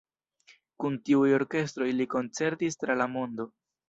Kun tiuj orkestroj li koncertis tra la mondo.